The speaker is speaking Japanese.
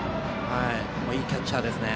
いいキャッチャーですね。